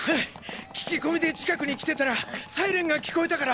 聞き込みで近くに来てたらサイレンが聞こえたから。